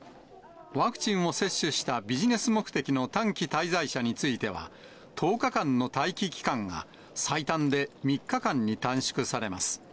ワクチンを接種したビジネス目的の短期滞在者については、１０日間の待機期間が最短で３日間に短縮されます。